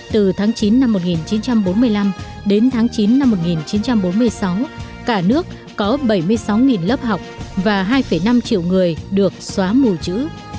từ tháng chín năm một nghìn chín trăm bốn mươi năm đến tháng chín năm một nghìn chín trăm bốn mươi sáu cả nước có bảy mươi sáu lớp học và hai năm triệu người được xóa mù chữ